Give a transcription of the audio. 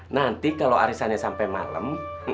nanti kalau arisannya sampai malam